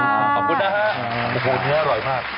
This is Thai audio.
ขอบคุณนะฮะโอ้โหเนื้ออร่อยมาก